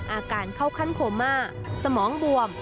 อาการเข้าขั้นโคม่าสมองบวม